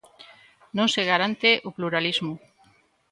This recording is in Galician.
Non se garante o pluralismo.